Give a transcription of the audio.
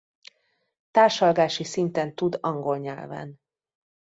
Társalgási szinten tud angol nyelven.